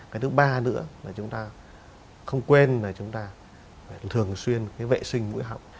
cái thứ ba nữa là chúng ta không quên là chúng ta phải thường xuyên cái vệ sinh mũi họng